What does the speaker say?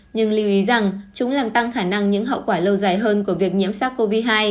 nhưng lưu ý rằng chúng làm tăng khả năng những hậu quả lâu dài hơn của việc nhiễm sars cov hai